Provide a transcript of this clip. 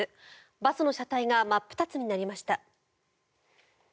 バスの車体が真っ二つになりました。